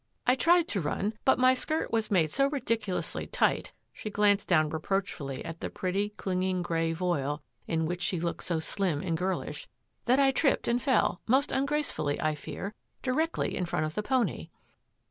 I tried to run, but my skirt was made so ridiculously tight" — she glanced down reproachfully at the pretty, clinging grey voile in which she looked so slim and girlish —" that I tripped and f eD, most ungracefully, I fear, directly in front of the pony."